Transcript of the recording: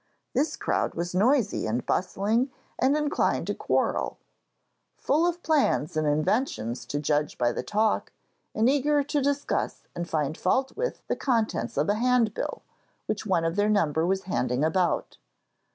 This crowd was noisy and bustling and inclined to quarrel: full of plans and inventions to judge by the talk, and eager to discuss and find fault with the contents of a handbill, which one of their number was handing about.